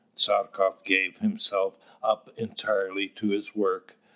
Tchartkoff gave himself up entirely to his work.